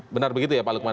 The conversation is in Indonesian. benar begitu ya pak lukman